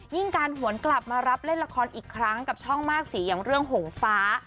การหวนกลับมารับเล่นละครอีกครั้งกับช่องมากสีอย่างเรื่องหงฟ้า